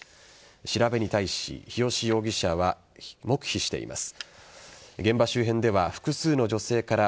調べに対し、日吉容疑者は黙秘しています。